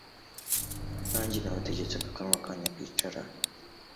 Nanjye nabategetse ko akanwa kanyu kicara